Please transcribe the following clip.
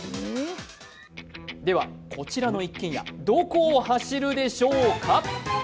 ではこちらの一軒家、どこを走るでしょうか？